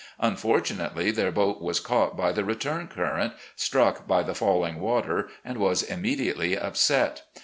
Unfortunately, their boat was caught by the return current, struck by the falling water, and was immediately upset.